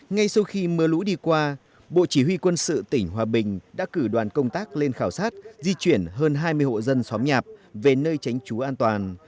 ngay sau khi mưa lũ đi qua bộ chỉ huy quân sự tỉnh hòa bình đã cử đoàn công tác lên khảo sát di chuyển hơn hai mươi hộ dân xóm nhạp về nơi tránh trú an toàn